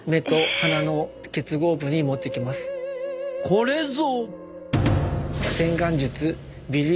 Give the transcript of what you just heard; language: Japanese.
これぞ！